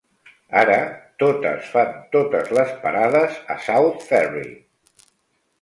Ara totes fan totes les parades a South Ferry.